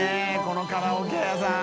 このカラオケ屋さん。）